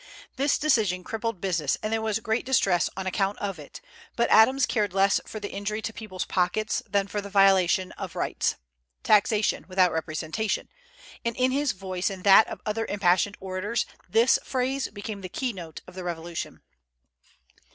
This decision crippled business, and there was great distress on account of it; but Adams cared less for the injury to people's pockets than for the violation of rights, taxation without representation; and in his voice and that of other impassioned orators this phrase became the key note of the Revolution.